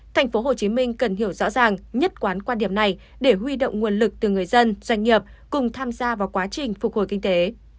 tp hcm cần hiểu rõ ràng nhất quán quan điểm này để huy động nguồn lực từ người dân doanh nghiệp cùng tham gia vào quá trình phục hồi kinh tế